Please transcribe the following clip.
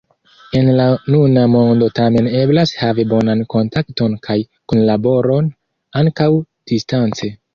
En la nuna mondo tamen eblas havi bonan kontakton kaj kunlaboron ankaŭ distance.